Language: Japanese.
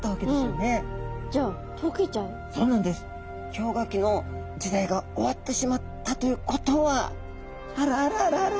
氷河期の時代が終わってしまったということはあらあらあらあら。